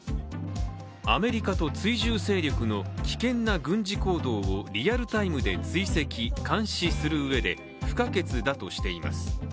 アメリカと追従勢力の危険な軍事行動をリアルタイムで追跡・監視するうえで不可欠だとしています。